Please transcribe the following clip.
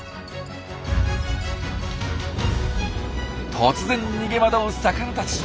突然逃げ惑う魚たち！